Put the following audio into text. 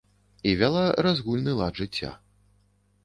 І вяла разгульны лад жыцця.